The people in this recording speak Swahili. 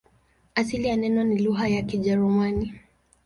Asili ya neno ni lugha ya Kijerumani.